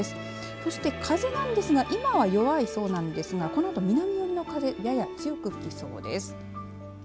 そして風なんですが今は弱いそうなんですがこのあと南寄りの風やや強く吹きそうです。